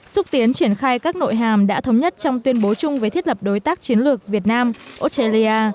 xúc tiến triển khai các nội hàm đã thống nhất trong tuyên bố chung về thiết lập đối tác chiến lược việt nam australia